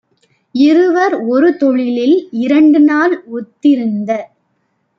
இருவர் ஒருதொழிலில் இரண்டுநாள் ஒத்திருந்த